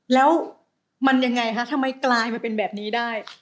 แล้วมันยังไงคะทำไมกลายมาเป็นแบบนี้ได้